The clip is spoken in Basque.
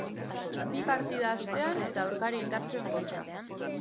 Bi partida astean eta aurkari indartsuen kontra.